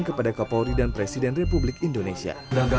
kepada kapolri dan presiden republik indonesia